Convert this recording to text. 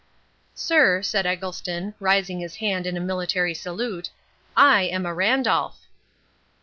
"Sir," said Eggleston, raising his hand in a military salute, "I am a Randolph."